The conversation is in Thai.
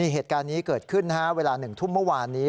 เหตุการณ์นี้เกิดขึ้นเวลา๑ทุ่มเมื่อวานนี้